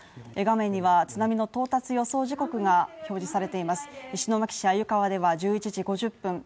画面には津波の到達予想時刻が表示されています石巻市鮎川では１１時５０分